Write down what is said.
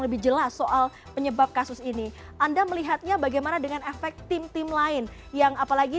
lebih jelas soal penyebab kasus ini anda melihatnya bagaimana dengan efek tim tim lain yang apalagi